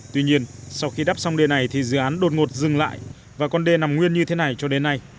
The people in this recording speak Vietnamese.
tuy nhiên sau khi đắp xong đê này thì dự án đột ngột dừng lại và con đê nằm nguyên như thế này cho đến nay